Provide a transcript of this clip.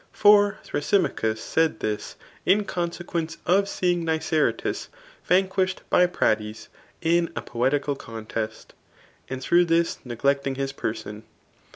For Thrasymachus said this, in con sequence of seeing Niceratus vanquished by Pratys in a poetical contest, and through this neglecting his per son.